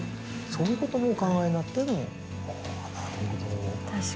そういうこともお考えになってのなるほど。